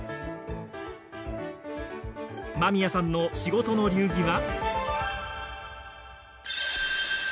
馬宮さんの仕事の流儀は。